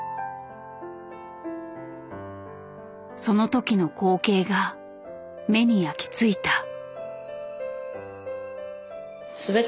その時の光景が目に焼き付いた。